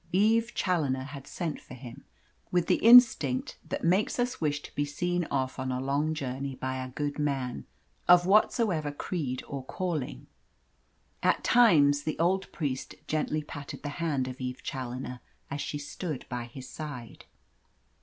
Eve Challoner had sent for him, with the instinct that makes us wish to be seen off on a long journey by a good man, of whatsoever creed or calling. At times the old priest gently patted the hand of Eve Challoner as she stood by his side.